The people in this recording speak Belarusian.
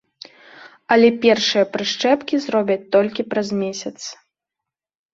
Але першыя прышчэпкі зробяць толькі праз месяц.